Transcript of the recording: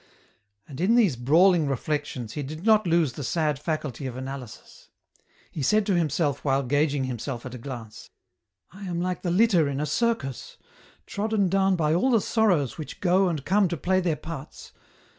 And in these brawling reflections he did not lose the sad faculty of analysis. He said to himself while gauging him self at a glance : "I am like the litter in a circus, trodden down by all the sorrows which go and come to play their parts.